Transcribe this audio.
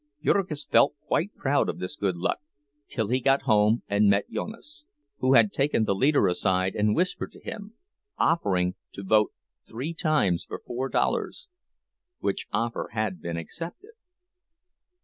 Jurgis felt quite proud of this good luck till he got home and met Jonas, who had taken the leader aside and whispered to him, offering to vote three times for four dollars, which offer had been accepted.